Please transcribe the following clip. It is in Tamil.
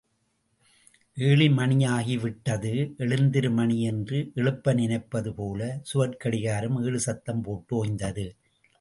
ஏழு மணியாகிவிட்டது எழுந்திரு மணி என்று எழுப்ப நினைப்பது போல சுவர்க் கடிகாரம் ஏழு சத்தம் போட்டு ஒய்ந்தது.